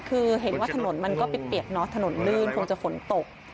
คือเห็นว่าถนนมันก็เปียกเนอะถนนลื่นคงจะฝนตก